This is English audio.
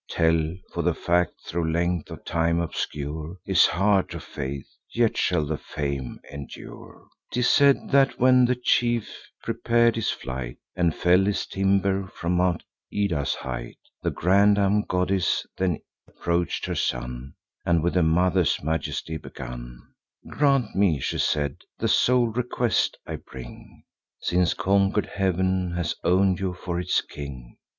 Tell: for the fact, thro' length of time obscure, Is hard to faith; yet shall the fame endure. 'Tis said that, when the chief prepar'd his flight, And fell'd his timber from Mount Ida's height, The grandam goddess then approach'd her son, And with a mother's majesty begun: "Grant me," she said, "the sole request I bring, Since conquer'd heav'n has own'd you for its king.